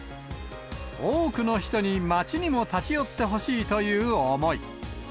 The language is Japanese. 多くの人に街にも立ち寄ってほしいという思い。